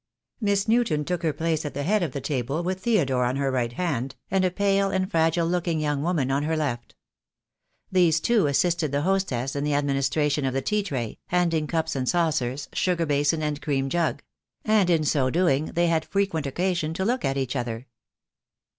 Miss Newton took her place at the head of the table, with Theodore on her right hand, and a pale and fragile looking young woman on her left. These two assisted the hostess in the administration of the tea tray, handing cups and saucers, sugar basin and cream jug; and in so doing they had frequent occasion to look at each other.